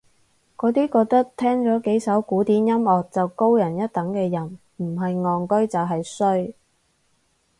嗰啲覺得聽咗幾首古典音樂就高人一等嘅人唔係戇居就係衰